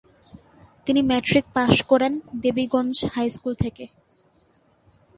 তিনি matric pass করেন Debiganj high school থেকে।